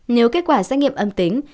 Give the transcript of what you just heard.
nếu kết quả xác nghiệm âm tính